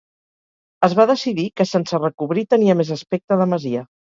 Es va decidir que sense recobrir tenia més aspecte de masia.